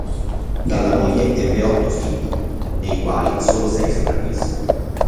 Dalla moglie ebbe otto figli, dei quali solo sei sopravvissero;